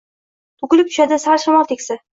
To’kilib tushadi sal shamol tegsa